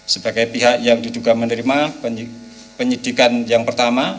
sebagai pihak yang diduga menerima penyidikan yang pertama